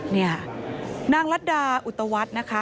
นี่นางรัฐดาอุตวัฒน์นะคะ